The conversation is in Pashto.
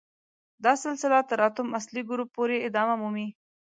دا سلسله تر اتم اصلي ګروپ پورې ادامه مومي.